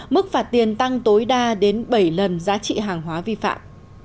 mức phạt tiền tăng tối đa đến bảy lần giá trị hàng hóa vi phạm